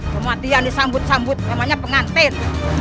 kematian disambut sambut temanya pengantin